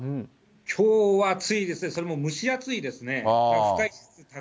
きょうは暑いですね、それも蒸し暑いですね。